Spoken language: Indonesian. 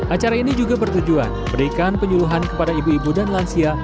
acara ini juga bertujuan berikan penyuluhan kepada ibu ibu dan lansia